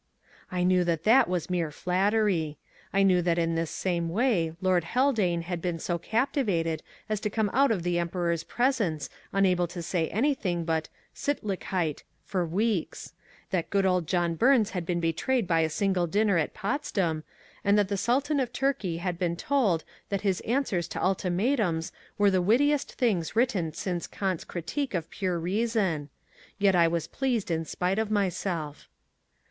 I knew that it was mere flattery. I knew that in this same way Lord Haldane had been so captivated as to come out of the Emperor's presence unable to say anything but "Sittlichkeit" for weeks; that good old John Burns had been betrayed by a single dinner at Potsdam, and that the Sultan of Turkey had been told that his Answers to Ultimatums were the wittiest things written since Kant's Critique of Pure Reason. Yet I was pleased in spite of myself.